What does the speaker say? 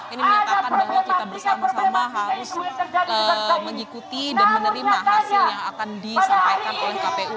ini menyatakan bahwa kita bersama sama harus mengikuti dan menerima hasil yang akan disampaikan oleh kpu